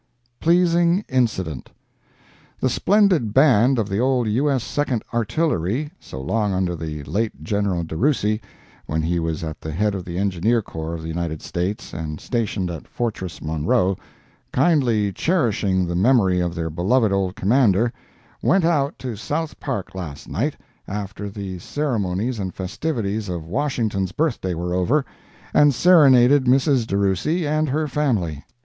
PLEASING INCIDENT The splendid band of the old U. S. Second Artillery, so long under the late General DeRussey when he was at the head of the Engineer Corps of the United States and stationed at Fortress Monroe, kindly cherishing the memory of their beloved old commander, went out to South Park, last night, after the ceremonies and festivities of Washington's birthday were over, and serenaded Mrs. DeRussey and her family.